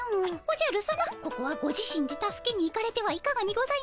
おじゃるさまここはご自身で助けに行かれてはいかがにございましょう？